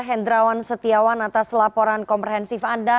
hendrawan setiawan atas laporan komprehensif anda